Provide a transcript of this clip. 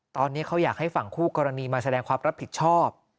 ตอนนี้เขาอยากให้ฝั่งคู่กรณีมาแสดงความรับผิดชอบ